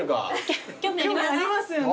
興味ありますよね。